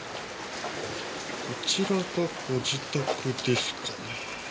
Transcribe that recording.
こちらがご自宅ですかね。